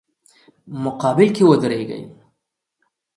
مقابل کې ودریږي.